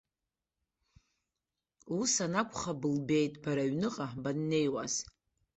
Ус анакәха, былбеит бара аҩныҟа баннеиуаз.